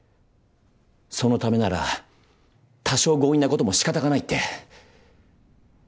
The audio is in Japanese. そのためなら多少強引なこともしかたがないって。